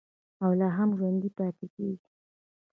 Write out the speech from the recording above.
او لا هم ژوندی پاتې کیږي.